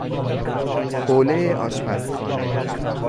حوله آشپزخانه